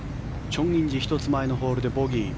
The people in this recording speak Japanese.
チョン・インジ１つ前のホールでボギー。